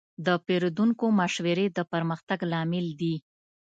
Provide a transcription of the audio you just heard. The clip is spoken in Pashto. د پیرودونکو مشورې د پرمختګ لامل دي.